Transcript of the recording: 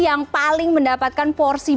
yang paling mendapatkan porsi